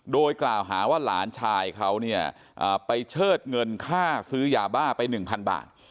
โดยกล่าวหาว่าหลานชายเขาเนี่ยไปเชิดเงินค่าซื้อยาบ้าไป๑๐๐บาท